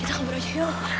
kita kabur aja yuk